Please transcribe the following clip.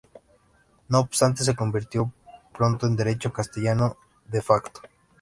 No obstante se convirtió pronto en derecho castellano "de facto".